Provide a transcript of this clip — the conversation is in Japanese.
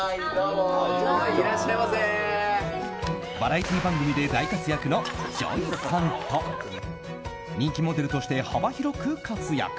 バラエティー番組で大活躍のＪＯＹさんと人気モデルとして幅広く活躍